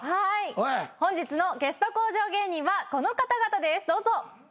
はい本日のゲスト向上芸人はこの方々です